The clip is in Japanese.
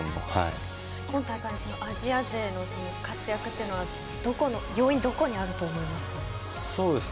今大会のアジア勢の活躍というのは要因はどこにあると思います？